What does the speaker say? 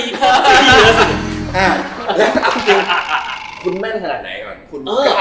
ยกก่อนคุณแม่นขนาดไหน